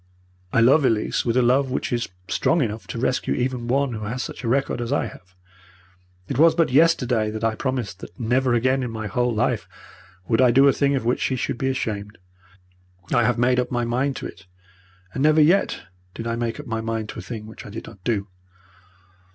'I love Elise with a love which is strong enough to rescue even one who has such a record as I have. It was but yesterday that I promised her that never again in my whole life would I do a thing of which she should be ashamed. I have made up my mind to it, and never yet did I make up my mind to a thing which I did not do.'